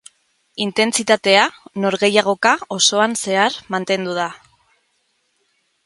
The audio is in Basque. Intentsitatea norgehiagoka osoan zehar mantendu da.